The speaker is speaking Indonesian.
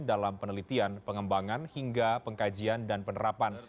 dalam penelitian pengembangan hingga pengkajian dan penerapan